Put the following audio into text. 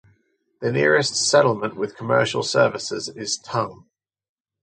The nearest settlement with commercial services is Tongue.